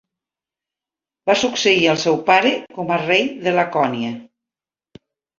Va succeir el seu pare com a rei de Lacònia.